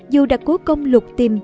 dù đã cố công lục tìm